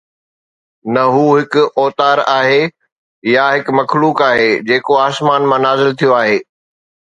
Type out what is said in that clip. ته هو هڪ اوتار آهي يا هڪ مخلوق آهي جيڪو آسمان مان نازل ٿيو آهي